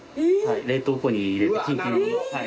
冷凍庫に入れてキンキンに。